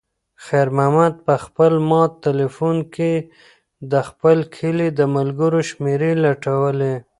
خیر محمد په خپل مات تلیفون کې د خپل کلي د ملګرو شمېرې لټولې.